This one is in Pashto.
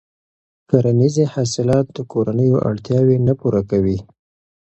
کرنیزې حاصلات د کورنیو اړتیاوې نه پوره کوي.